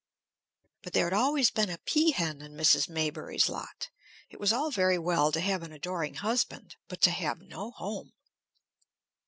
But there had always been a pea hen in Mrs. Maybury's lot. It was all very well to have an adoring husband, but to have no home!